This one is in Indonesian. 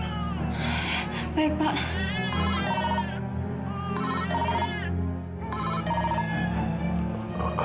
sampai jumpa kak